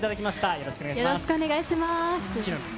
よろしくお願いします。